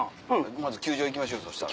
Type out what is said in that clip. まず球場行きましょうそしたら。